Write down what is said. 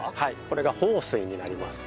これが豊水になります。